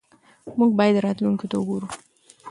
موږ باید راتلونکي ته وګورو.